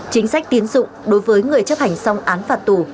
chính sách tiến dụng đối với người chấp hành xong án phạt tù